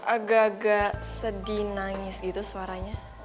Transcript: agak agak sedih nangis gitu suaranya